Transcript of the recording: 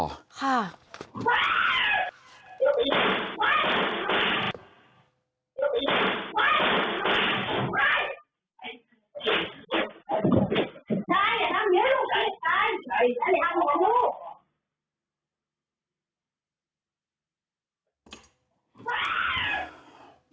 อย่าทำแบบนี้ให้ลูกใจลูกใจอีกทีแล้วกับลูก